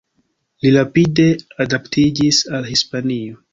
Li rapide adaptiĝis al Hispanio.